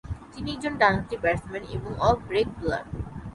তিনি একজন ডানহাতি ব্যাটসম্যান এবং অফ ব্রেক বোলার।